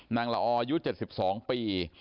ละอออายุ๗๒ปี